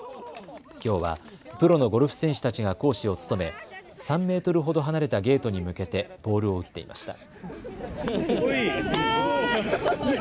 きょうはプロのゴルフ選手たちが講師を務め３メートルほど離れたゲートに向けてボールを打っていました。